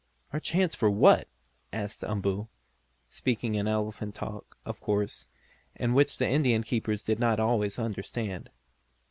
"Our chance for what?" asked Umboo, speaking in elephant talk, of course, and which the Indian keepers did not always understand.